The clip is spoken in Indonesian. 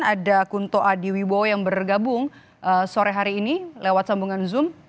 ada kunto adiwibowo yang bergabung sore hari ini lewat sambungan zoom